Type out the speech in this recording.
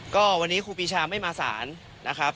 ก็วันนี้ครูปีชาไม่มาสารนะครับ